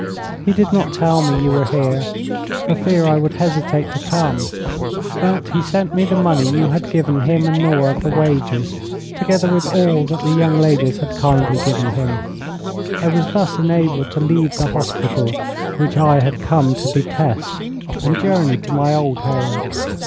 He did not tell me you were here, for fear I would hesitate to come, but he sent me the money you had given him and Nora for wages, together with all that the young ladies had kindly given him. I was thus enabled to leave the hospital, which I had come to detest, and journey to my old home.